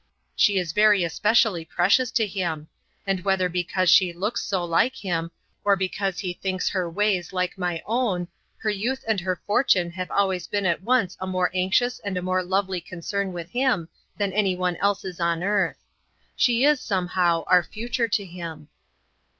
She is very especially precious to him; and, whether because she looks so like him, or because he thinks her ways like my own, her youth and her fortune have always been at once a more anxious and a more lovely concern with him than any one else's on earth. She is, somehow, our future to him.